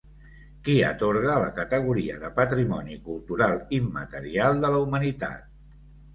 Qui atorga la categoria de Patrimoni Cultural Immaterial de la Humanitat?